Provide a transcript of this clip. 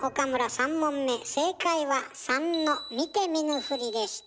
３問目正解は３の「見て見ぬふり」でした。